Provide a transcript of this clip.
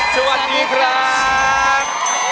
สวัสดีครับ